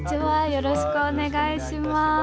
よろしくお願いします。